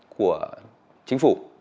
của chính phủ